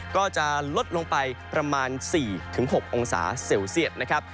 ก็จะลดลงไปประมาณ๔๖องศาเซลเซียตนะครับ